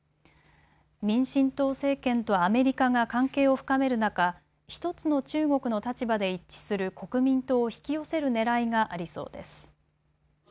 民進党政権とアメリカが関係を深める中、１つの中国の立場で一致する国民党を引き寄せるねらいがありそうです。